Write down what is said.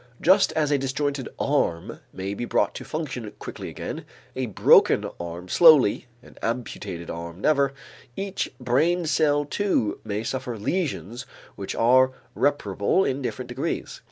Just as a disjointed arm may be brought to function quickly again, a broken arm slowly, an amputated arm never, each brain cell too may suffer lesions which are reparable in different degrees.